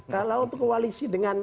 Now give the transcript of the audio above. kalau untuk koalisi dengan